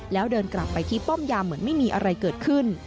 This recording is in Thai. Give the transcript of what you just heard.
แล้วเดินกลับไปที่ป้อมยามเหมือนไม่มีอะไรเกิดขึ้น